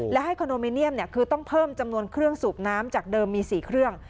และให้คอนโดมิเนียมคือต้องเพิ่มจำนวนเครื่องสูบน้ำจากเดิมมี๔เครื่อง